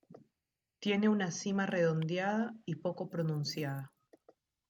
Tiene una cima redondeada y poco pronunciada.